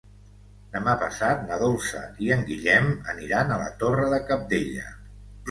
Demà passat na Dolça i en Guillem aniran a la Torre de Cabdella.